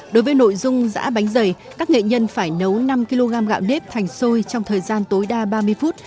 đối với nội dung dạ bánh dày các nghệ nhân phải nấu năm kg gạo nếp thành xôi trong thời gian tối đa ba mươi phút